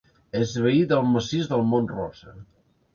És veí del massís del Mont Rosa.